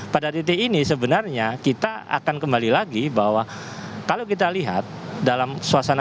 pada titik ini sebenarnya kita akan kembali lagi bahwa kalau kita lihat dalam suasana